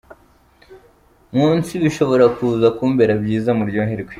munsi bishobora kuza kumbera byiza!! Muryoherwe.